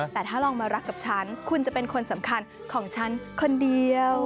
แต่ถ้าลองมารักกับฉันคุณจะเป็นคนสำคัญของฉันคนเดียว